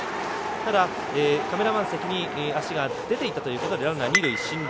ただ、カメラマン席に足が出ていたということでランナー、二塁に進塁。